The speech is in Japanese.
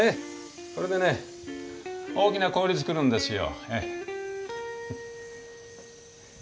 これでね大きな氷作るんですよ。